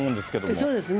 そうですね。